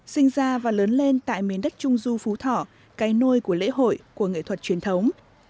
sinh ra và lớn lên tại miền đất trung du phú thọ cái nôi của lễ hội của nghệ thuật truyền thống